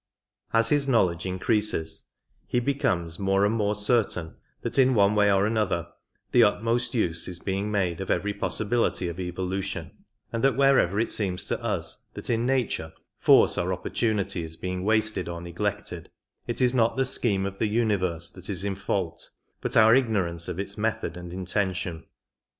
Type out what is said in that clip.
As his knowledge increases he becomes more and more certain that in one way or another the utmost use is being made of every possibility of evolution, and that wherever it seems to us that in nature force or opportunity 46 is being wasted or neglected, it is not the scheme of the universe that is in fault, but our ignorance of its method and intention.